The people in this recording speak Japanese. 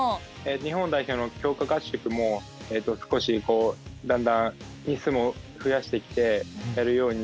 日本代表の強化合宿も少しこうだんだん日数も増やしてきてやるようにはなってます。